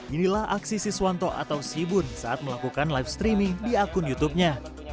inilah aksi siswanto atau sibun saat melakukan live streaming di akun youtubenya